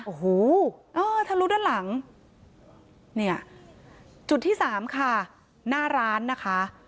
โอ้โหเออทะลุด้านหลังเนี่ยจุดที่สามค่ะหน้าร้านนะคะ